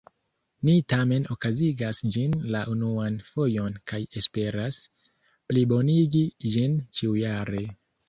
Ni tamen okazigas ĝin la unuan fojon kaj esperas plibonigi ĝin ĉiujare!